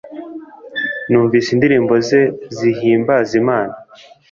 numvise indirimbo ze zihimbaza Imana